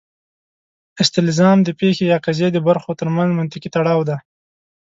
استلزام د پېښې یا قضیې د برخو ترمنځ منطقي تړاو دی.